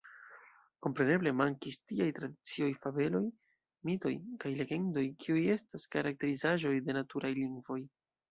Kompreneble mankis tiaj tradicioj, fabeloj, mitoj kaj legendoj, kiuj estas karakterizaĵoj de “naturaj lingvoj.